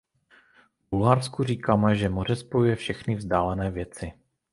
V Bulharsku říkáváme, že moře spojuje všechny vzdálené věci.